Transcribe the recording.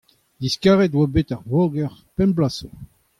diskaret e oa bet ar voger pemp bloaz zo.